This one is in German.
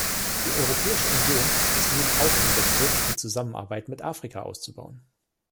Die Europäische Union ist nun auch im Begriff, die Zusammenarbeit mit Afrika auszubauen.